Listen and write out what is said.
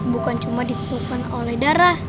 bukan cuma ditemukan oleh darah